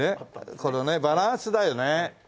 このねバランスだよね。